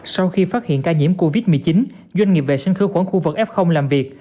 sau khi phát hiện ca nhiễm covid một mươi chín doanh nghiệp vệ sinh khử khuẩn khu vực f làm việc